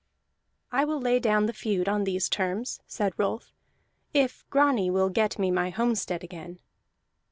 "I will lay down the feud on these terms," said Rolf, "if Grani will get me my homestead again."